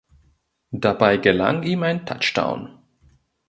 Dabei gelang ihm ein Touchdown.